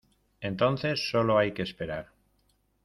entonces solo hay que esperar.